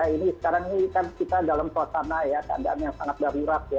ini sekarang kita dalam suasana keadaan yang sangat berwirap